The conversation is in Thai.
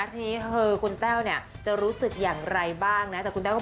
ทีนี้คุณเต้าเนี่ยจะรู้สึกอย่างไรบ้างนะ